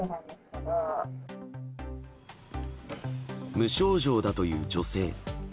無症状だという女性。